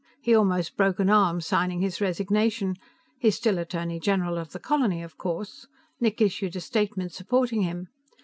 "He almost broke an arm signing his resignation. He's still Attorney General of the Colony, of course; Nick issued a statement supporting him.